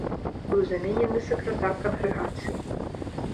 Быў заменены сакратар кангрэгацыі.